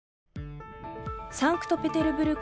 サンクトペテルブルク